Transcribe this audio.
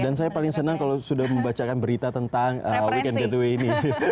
dan saya paling senang kalau sudah membacakan berita tentang weekend gateway ini